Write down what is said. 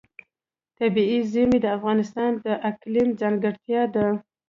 طبیعي زیرمې د افغانستان د اقلیم ځانګړتیا ده.